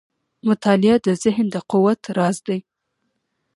• مطالعه د ذهن د قوت راز دی.